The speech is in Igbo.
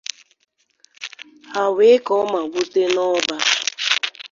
ha wee kọọ ma gwute n'ụba.